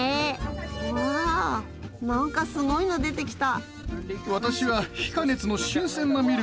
うわ何かすごいの出てきた。